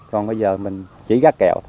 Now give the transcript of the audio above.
còn bây giờ mình chỉ gác kèo